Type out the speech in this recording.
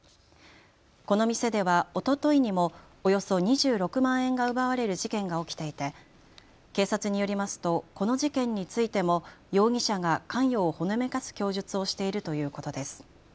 この店ではおとといにもおよそ２６万円が奪われる事件が起きていて警察によりますとこの事件についても容疑者が関与をほのめかす供述をしているということです。